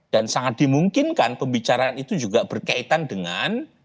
dan sangat dimungkinkan pembicaraan itu juga berkaitan dengan